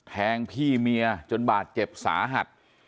แทงพี่เมียจนบาดเจ็บสาหัส